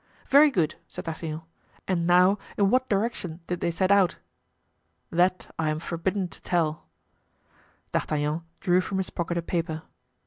"Very good," said D'Artagnan; "and now in what direction did they set out?" "That I am forbidden to tell." D'Artagnan drew from his pocket a paper.